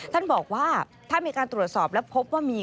ท่านบอกว่าถ้ามีการตรวจสอบแล้วพบว่ามี